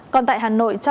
còn tại hà nội